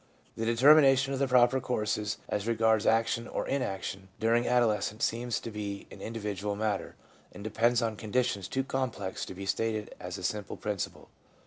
The determination of the proper course as regards action or inaction during adolescence seems to be an individual matter, and depends on conditions too complex to be stated as a simple principle.